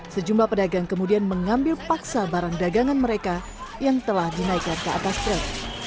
sejumlah pedagang kemudian mengambil paksa barang dagangan mereka yang telah dinaikkan ke atas truk